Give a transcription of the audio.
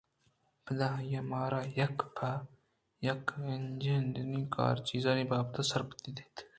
پدا آئیءَمارا یک پہ یک انجنانی کارءُچیزانی بابتءَ سرپد ی دات اَنت